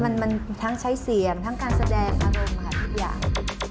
มันทั้งใช้เสียงทั้งการแสดงอารมณ์ค่ะทุกอย่าง